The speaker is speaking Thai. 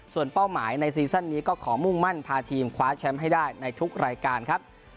ส่วนเป้าหมายในซีซั่นนี้ก็ขอมุ่งมั่นพาทีมคว้าแชมป์ให้ได้ในทุกรายการครับ